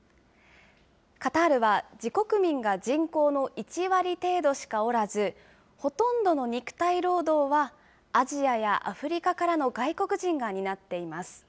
カタールは自国民が人口の１割程度しかおらず、ほとんどの肉体労働は、アジアやアフリカからの外国人が担っています。